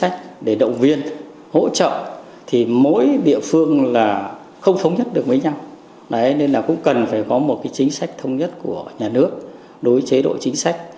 chúng ta cần phải có một chính sách thống nhất của nhà nước đối với chế độ chính sách